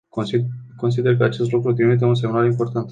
Consider că acest lucru trimite un semnal important.